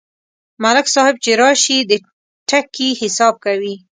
ملک صاحب چې راشي، د ټکي حساب کوي.